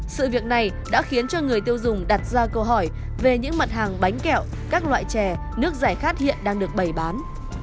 sự việc này đã khiến cho người tiêu dùng đặt ra câu hỏi về những mặt hàng bánh kẹo các loại chè nước giải khát hiện đang được bày bán